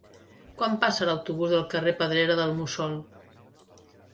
Quan passa l'autobús pel carrer Pedrera del Mussol?